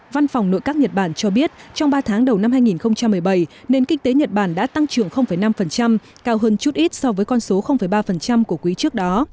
văn phòng nội các nhật bản cho biết trong ba tháng đầu năm hai nghìn một mươi bảy nền kinh tế nhật bản đã tăng trưởng năm cao hơn chút ít so với con số ba của quý trước đó